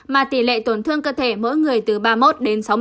mà tỷ lệ tổn thương cơ thể mỗi người từ ba mươi một đến sáu mươi